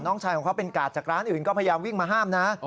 น้องชายของเขาเป็นกาดจากร้านอื่นก็พยายามวิ่งมาห้ามนะ